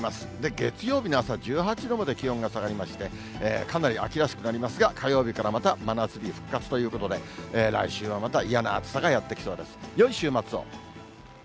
月曜日の朝、１８度まで気温が下がりまして、かなり秋らしくなりますが、火曜日からまた真夏日復活ということで、雪肌精におすすめの年齢はありません